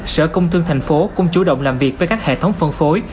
sở công thương tp hcm cũng chủ động làm việc với các hệ thống phân phối